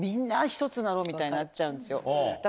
みたいになっちゃうんですよ。